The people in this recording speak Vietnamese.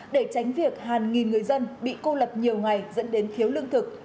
để tránh việc hàng nghìn người dân bị cô lập nhiều ngày dẫn đến thiếu lương thực